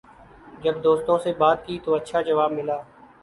جب دوستوں سے بات کی تو اچھا جواب ملا